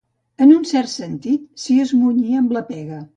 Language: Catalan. En un cert sentit, s'hi esmunyi amb la pega.